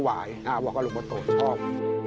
ว่ากลุงพะโตชอบ